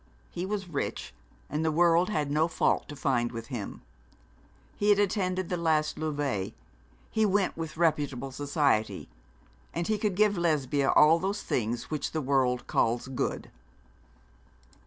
He was rich, and the world had no fault to find with him. He had attended the last levée. He went into reputable society. And he could give Lesbia all those things which the world calls good.